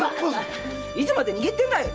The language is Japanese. いつまで握ってるんだい！